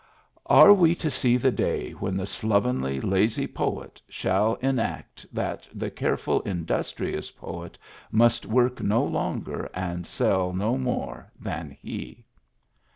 Are we to see the day when the slovenly, lazy poet shall enact that the careful, industrious poet must work no longer and sell no more than he